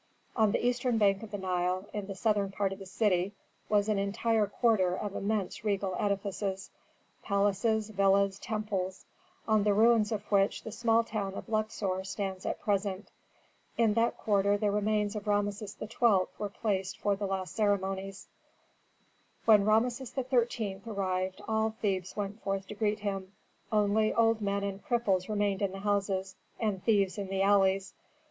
On the eastern bank of the Nile, in the southern part of the city, was an entire quarter of immense regal edifices: palaces, villas, temples, on the ruins of which the small town of Luxor stands at present. In that quarter the remains of Rameses XII. were placed for the last ceremonies. When Rameses XIII. arrived all Thebes went forth to greet him, only old men and cripples remained in the houses, and thieves in the alleys.